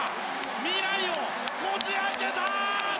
未来をこじ開けた！